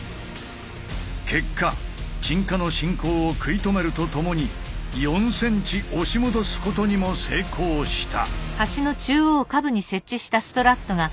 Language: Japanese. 結果沈下の進行を食い止めるとともに４ｃｍ押し戻すことにも成功した。